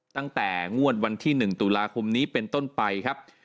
ตั้งแต่งวดวันที่๑ตุลาคมนี้เป็นต้นไปครับ